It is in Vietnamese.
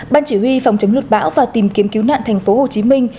ban chỉ huy phòng chống lụt bão và tìm kiếm cứu nạn thành phố hồ chí minh